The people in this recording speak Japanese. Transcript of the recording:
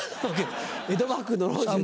江戸幕府の老中の？